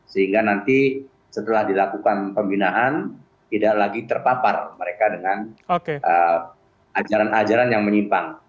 sehingga nanti setelah dilakukan pembinaan tidak lagi terpapar mereka dengan ajaran ajaran yang menyimpang